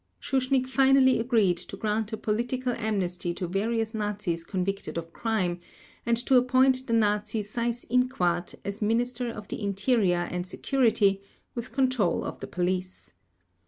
Schuschnigg finally agreed to grant a political amnesty to various Nazis convicted of crime, and to appoint the Nazi Seyss Inquart as Minister of the Interior and Security with control of the Police.